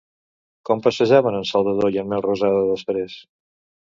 Com passejaven en Salvador i en Melrosada després?